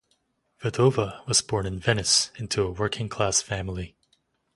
Vedova was born in Venice into a working-class family.